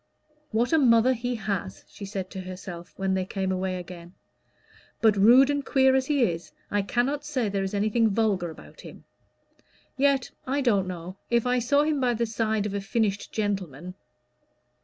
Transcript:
"What a mother he has!" she said to herself when they came away again; "but, rude and queer as he is, I cannot say there is anything vulgar about him. Yet I don't know if I saw him by the side of a finished gentleman."